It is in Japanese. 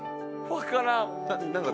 わからん。